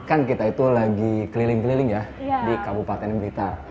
kan kita itu lagi keliling keliling ya di kabupaten blitar